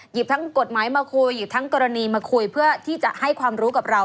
ทั้งกฎหมายมาคุยหยิบทั้งกรณีมาคุยเพื่อที่จะให้ความรู้กับเรา